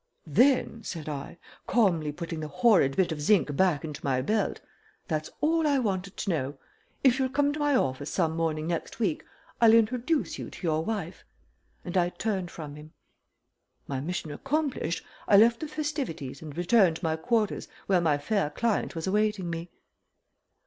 "Then," said I, calmly putting the horrid bit of zinc back into my belt, "that's all I wanted to know. If you'll come up to my office some morning next week I'll introduce you to your wife," and I turned from him. My mission accomplished, I left the festivities and returned to my quarters where my fair client was awaiting me.